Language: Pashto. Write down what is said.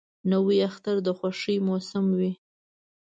نوی اختر د خوښۍ موسم وي